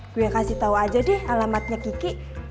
gue kasih tau aja deh alamatnya kiki